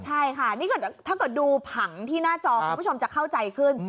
ใช่ค่ะนี่ถ้าเกิดดูผังที่หน้าจอคุณผู้ชมจะเข้าใจขึ้น